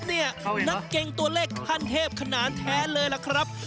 นักเก่งตัวเลขขั้นเทพขนานแท้เลยล่ะครับ